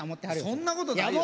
そんなことない。